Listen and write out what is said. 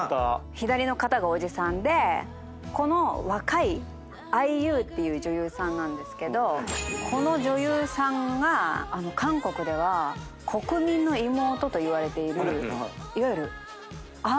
左の方がおじさんでこの若いＩＵっていう女優さんなんですけどこの女優さんが。といわれているいわゆる。